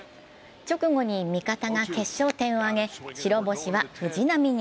直後に味方が決勝点を挙げ、白星は藤浪に。